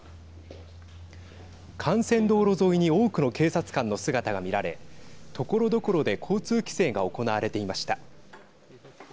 幹線道路沿いに多くの警察官の姿が見られところどころで交通規制が行われていました。